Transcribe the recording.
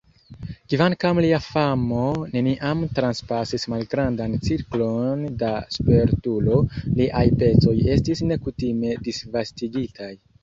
Kvankam lia famo neniam transpasis malgrandan cirklon da spertulo, liaj pecoj estis nekutime disvastigitaj.